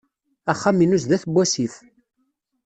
Axxam-inu sdat n wasif.